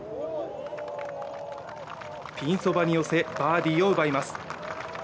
ピンそばに寄せ、バーディーを奪います。